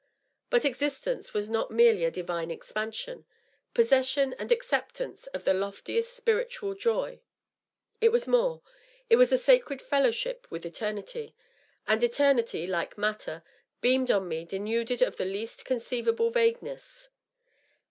But existence was not merely a divine expansion, possession and acceptance of the loftiest spiritual joy. It was more; it was a sacred fellowship with eternity — and eternity, like matter, beamed on me denuded of the least conceivable vagueness.